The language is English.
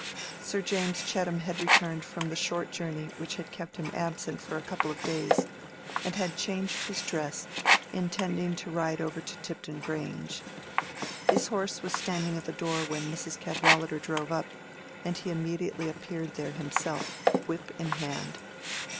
Sir James Chettam had returned from the short journey which had kept him absent for a couple of days, and had changed his dress, intending to ride over to Tipton Grange. His horse was standing at the door when Mrs. Cadwallader drove up, and he immediately appeared there himself, whip in hand.